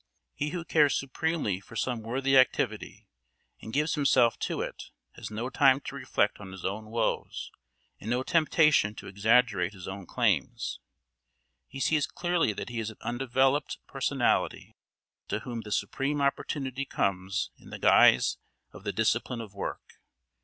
He who cares supremely for some worthy activity and gives himself to it has no time to reflect on his own woes, and no temptation to exaggerate his own claims. He sees clearly that he is an undeveloped personality to whom the supreme opportunity comes in the guise of the discipline of work.